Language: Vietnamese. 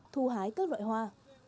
thu hái các loại hoa